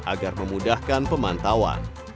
agar memudahkan pemantauan